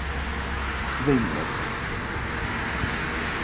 زينب